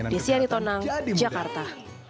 desyani tonang jakarta